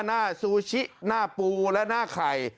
ซูชิหน้าปูและหน้าไข่